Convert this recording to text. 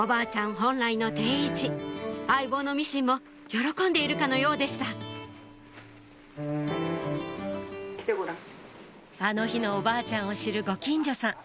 本来の定位置相棒のミシンも喜んでいるかのようでした・来てごらん・あの日のおばあちゃんを知るご近所さん